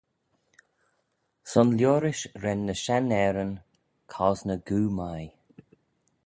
Son liorish ren ny shenn-ayryn cosney goo mie.